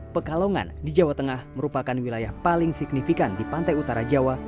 pekalongan di jawa tengah merupakan wilayah paling signifikan di pantai utara jawa